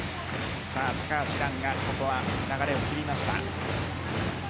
高橋藍がここは流れを切りました。